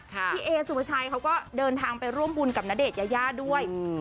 พี่เอสุภาชัยเขาก็เดินทางไปร่วมบุญกับณเดชนยายาด้วย